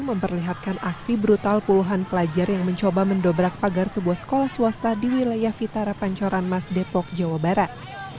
memperlihatkan aksi brutal puluhan pelajar yang mencoba mendobrak pagar sebuah sekolah swasta di wilayah vitara pancoran mas depok jawa barat